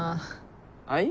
はい？